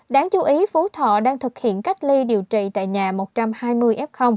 đáng chú ý phú thọ đang thực hiện cách ly điều trị tại nhà một trăm hai mươi f